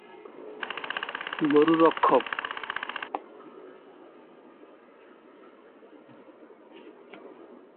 কিন্তু মূল অর্থ হবে "গরু রক্ষক"।